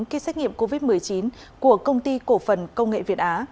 ký xét nghiệm covid một mươi chín của công ty cổ phần công nghệ việt á